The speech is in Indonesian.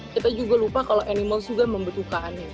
kita juga lupa kalau animal juga membutuhkannya